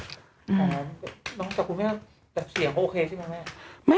น้องจับคุณแม่เสียงโอเคใช่ไหมแม่